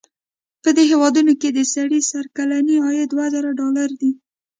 په دې هېوادونو کې د سړي سر کلنی عاید دوه زره ډالره دی.